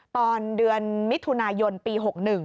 ตอนเดือนมิถุนายนปี๖๑